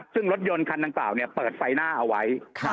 ซึ่งรถยนต์คันดังกล่าวเปิดไฟหน้าเอาไว้